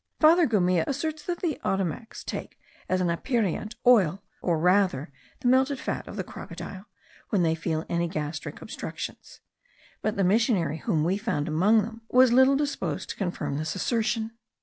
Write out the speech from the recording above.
Father Gumilla asserts that the Ottomacs take as an aperient, oil, or rather the melted fat of the crocodile, when they feel any gastric obstructions; but the missionary whom we found among them was little disposed to confirm this assertion.